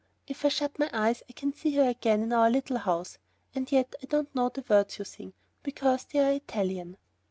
If I shut my eyes I can see her again in our little house, and yet I don't know the words you sing, because they are Italian."